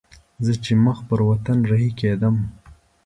زه چې مخ پر وطن رهي کېدم.